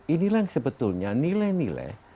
inilah yang sebetulnya nilai nilai